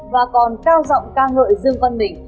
và còn cao rộng ca ngợi dương văn mỉnh